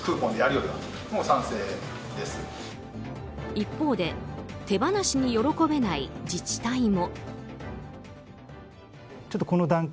一方で手放しに喜べない自治体も。